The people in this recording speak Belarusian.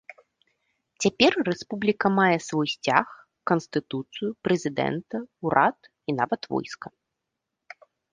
Цяпер рэспубліка мае свой сцяг, канстытуцыю, прэзідэнта, урад і нават войска.